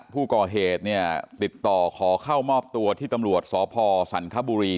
ผู้ก่อเหตุเนี่ยติดต่อขอเข้ามอบตัวที่ตำรวจสพสันคบุรี